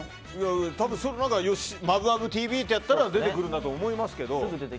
多分「マブマブＴＶ」ってやったら出てくると思いますけど。